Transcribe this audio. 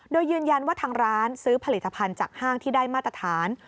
โดยยืนยันว่าทางร้านซื้อผลิตภัณฑ์จากห้างที่ได้มาตรฐาน